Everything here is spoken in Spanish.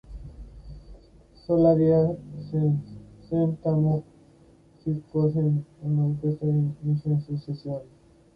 Solo había sesenta músicos en la orquesta al inicio de su sesión.